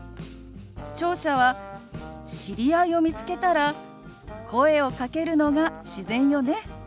聴者は知り合いを見つけたら声をかけるのが自然よね。